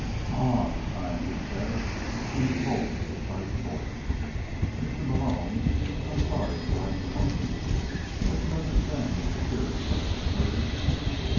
"Ah," the scientist said in a cold, precise voice. "Mr. Malone. I am sorry for our precautions, but you understand that security must be served."